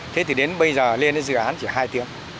thế thì đến bây giờ lên đến dự án chỉ hai tiếng